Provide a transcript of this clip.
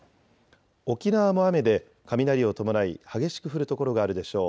沖縄も雨で雷を伴い激しく降る所があるでしょう。